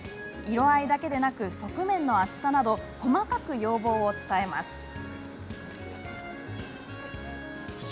色合いだけでなく側面の厚さなど細かく要望を伝えます。